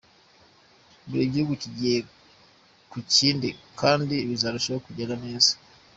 Buri gihugu kigiye ku kindi kandi bizarushaho kugenda neza.